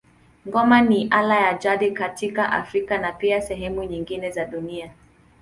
Ngoma ni ala ya jadi katika Afrika na pia sehemu nyingine za dunia.